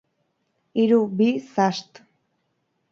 Hiru, bi, zast!